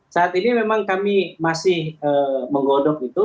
saat ini memang kami masih menggodok itu